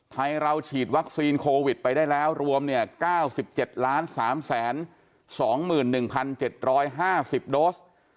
ไทยเราฉีดวัคซีนโควิดไปได้แล้วรวมเนี่ยเก้าสิบเจ็ดล้านสามแสนสองหมื่นหนึ่งพันเจ็ดร้อยห้าสิบโดส